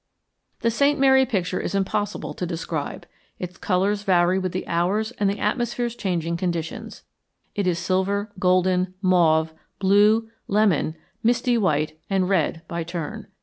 The St. Mary picture is impossible to describe. Its colors vary with the hours and the atmosphere's changing conditions. It is silver, golden, mauve, blue, lemon, misty white, and red by turn.